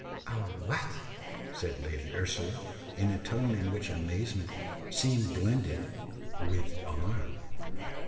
"A what!" said Lady Ursula, in a tone in which amazement seemed blended with alarm.